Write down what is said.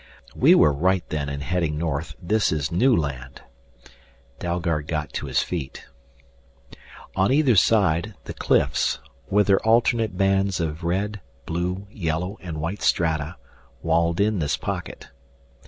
"We were right then in heading north; this is new land." Dalgard got to his feet. On either side, the cliffs, with their alternate bands of red, blue, yellow, and white strata, walled in this pocket.